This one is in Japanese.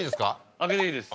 開けていいです。